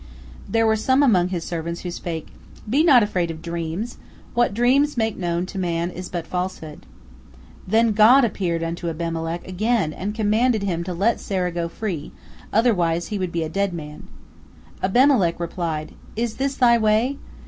" There were some among his servants who spake: "Be not afraid of dreams! What dreams make known to man is but falsehood." Then God appeared unto Abimelech again and commanded him to let Sarah go free, otherwise he would be a dead man. Abimelech replied: "Is this Thy way?